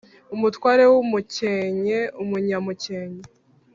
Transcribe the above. Umutware w umukenke Umunyamukenke